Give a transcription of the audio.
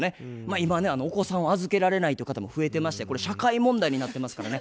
今ねお子さんを預けられないという方も増えてましてこれ社会問題になってますからね。